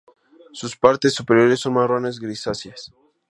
Sus partes superiores son marrones grisáceas.